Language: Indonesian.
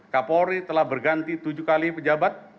kapolri telah berganti tujuh kali pejabat